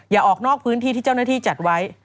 ออกนอกพื้นที่ที่เจ้าหน้าที่จัดไว้